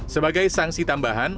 sebagai sangsi tambahan